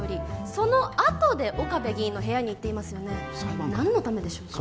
そのあとで岡部議員の部屋に行っていますよね何のためでしょうか？